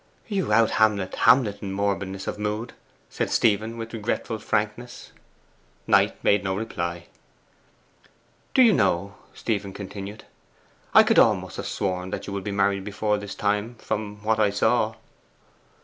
'You out Hamlet Hamlet in morbidness of mood,' said Stephen, with regretful frankness. Knight made no reply. 'Do you know,' Stephen continued, 'I could almost have sworn that you would be married before this time, from what I saw?